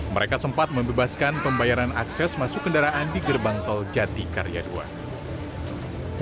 mereka sempat membebaskan pembayaran akses masuk kendaraan di gerbang tol jatikarya ii